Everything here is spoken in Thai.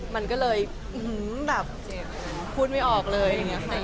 มันก็เลยอื้อหือแบบพูดไม่ออกเลย